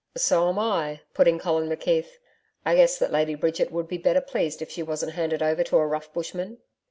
'So am I,' put in Colin McKeith. 'I guess that Lady Bridget would be better pleased if she wasn't handed over to a rough bushman.'